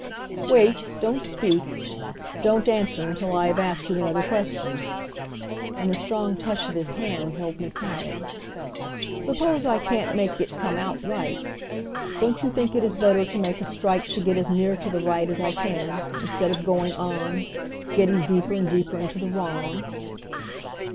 "Wait, don't speak, don't answer until I have asked you another question," and the strong touch of his hand held me quiet. "Suppose I can't make it come out right don't you think it is better to make a strike to get as near to the right as I can, instead of going on, getting deeper and deeper into the wrong?"